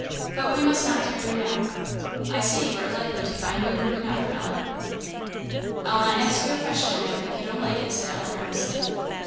"But we must not tarry now. I see you are likely to find me work enough, Ellen." "I'll not ask you a question, Maam, if you don't like it," said Ellen, earnestly.